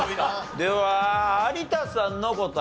では有田さんの答え。